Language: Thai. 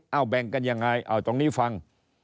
เอาแบ่งกันยังไงเอาตรงนี้ฟัง